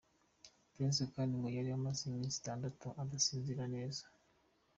Prince kandi ngo yari amaze iminsi itandatu adasinzira neza.